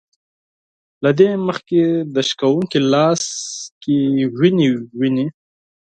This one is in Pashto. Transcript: له دې مخکې د شکوونکي لاس کړي وينې وينې